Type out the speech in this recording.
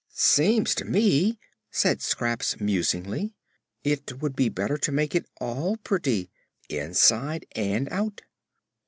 "Seems to me," said Scraps, musingly, "it would be better to make it all pretty inside and out."